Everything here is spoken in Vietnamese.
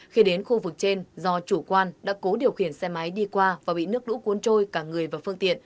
khi đến khu vực trên do chủ quan đã cố điều khiển xe máy đi qua và bị nước lũ cuốn trôi cả người và phương tiện